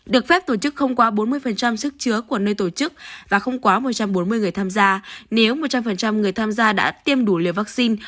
được phép tổ chức không quá bốn mươi sức chứa của nơi tổ chức và không quá một trăm bốn mươi người tham gia nếu một trăm linh người tham gia đã tiêm đủ liều vaccine